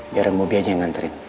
biar om bobby aja yang nganterin